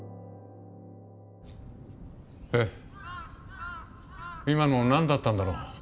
えっ今の何だったんだろう。